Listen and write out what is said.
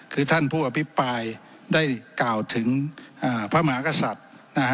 คือท่านผู้อภิปรายได้กล่าวถึงพระมหากษัตริย์นะฮะ